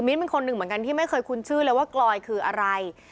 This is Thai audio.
เป็นคนหนึ่งเหมือนกันที่ไม่เคยคุ้นชื่อเลยว่ากลอยคืออะไร